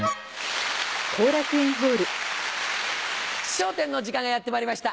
『笑点』の時間がやってまいりました。